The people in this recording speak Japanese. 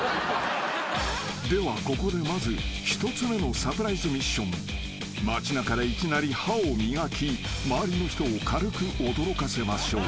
［ではここでまず１つ目のサプライズミッション］［街なかでいきなり歯を磨き周りの人を軽く驚かせましょう］